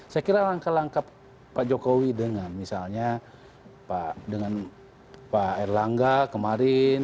saya kira langkah langkah pak jokowi dengan misalnya dengan pak erlangga kemarin